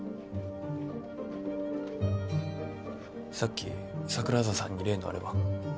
さっき桜沢さんに例のあれは？